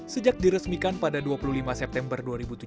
sejak diresmikan pada dua puluh lima september dua ribu tujuh belas